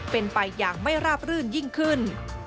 เป็นไปอย่างไม่ราบรื่นยิ่งขึ้น